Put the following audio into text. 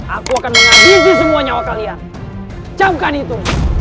aku akan menghabisi semua nyawa kalian camkan itu